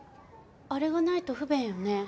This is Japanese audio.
あれがないと不便よね？